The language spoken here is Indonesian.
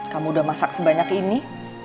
kamu udah masak sebanyak ini